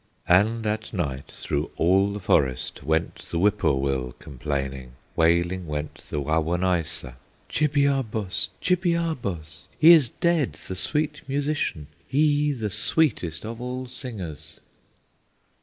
And at night through all the forest Went the whippoorwill complaining, Wailing went the Wawonaissa, "Chibiabos! Chibiabos! He is dead, the sweet musician! He the sweetest of all singers!"